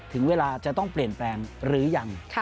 ถึงเวลาจะต้องเปลี่ยนแปลงหรือยัง